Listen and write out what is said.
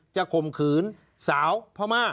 จะคมขืนสาวพม่า